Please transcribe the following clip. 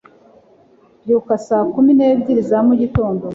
Mbyuka saa kumi n'ebyiri za mugitondo